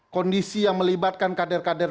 kondisi yang melibatkan kader kader